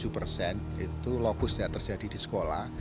empat puluh tujuh persen itu lokusnya terjadi di sekolah